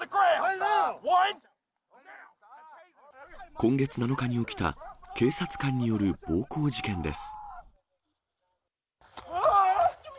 今月７日に起きた警察官による暴行事件です。